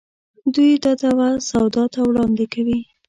دوی دا دعوه سودا ته وړاندې کوي.